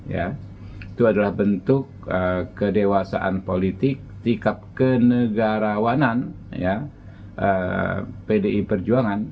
ya itu adalah bentuk kedewasaan politik sikap kenegarawanan pdi perjuangan